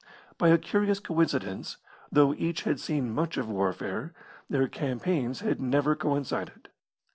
By a curious coincidence, though each had seen much of warfare, their campaigns had never coincided.